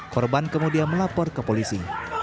korban kemudian melapor ke polisi